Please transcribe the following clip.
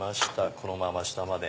このまま下まで。